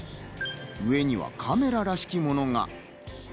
上にはカメラらしきものが。